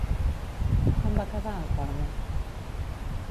Com va quedar a corda?